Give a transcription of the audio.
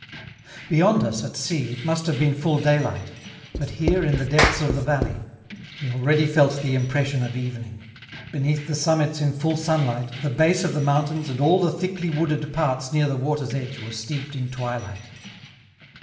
Beyond us, at sea, it must have been full daylight; but here, in the depths of the valley, we already felt the impression of evening; beneath the summits in full sunlight, the base of the mountains and all the thickly wooded parts near the water's edge were steeped in twilight.